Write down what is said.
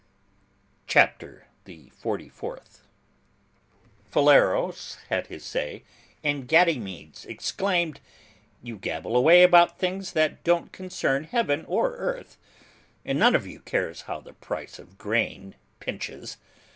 CHAPTER THE FORTY FOURTH. Phileros had his say and Ganymedes exclaimed, "You gabble away about things that don't concern heaven or earth: and none of you cares how the price of grain pinches.